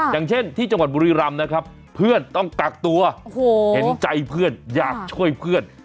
อย่างเช่นที่จังหวัดบุรีรำนะครับเพื่อนต้องกักตัวเห็นใจเพื่อนอยากช่วยเพื่อน